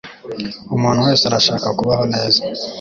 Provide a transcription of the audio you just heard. Umuntu wese arashaka kubaho neza.